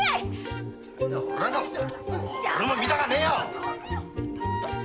俺も見たかねえよ！